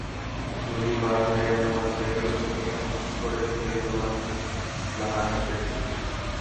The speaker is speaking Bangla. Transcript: নদী পার হয়েই একটা মোটরসাইকেল নিয়ে হুঁশ করে ছুটে চললাম লাহারহাটের দিকে।